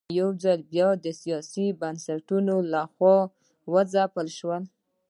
یوځل بیا د سیاسي بنسټونو له خوا وځپل شول.